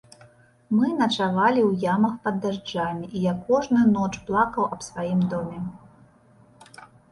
Мы начавалі ў ямах пад дажджамі, і я кожную ноч плакаў аб сваім доме.